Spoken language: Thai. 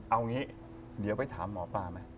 เอางี้เดี๋ยวไปถามหมอปลาไหม